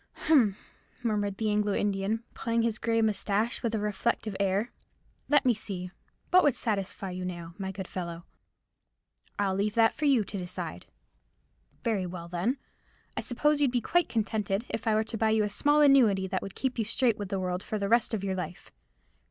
"Humph!" murmured the Anglo Indian, pulling his grey moustaches with a reflective air. "Let me see; what would satisfy you, now, my good fellow?" "I leave that for you to decide." "Very well, then. I suppose you'd be quite contented if I were to buy you a small annuity, that would keep you straight with the world for the rest of your life.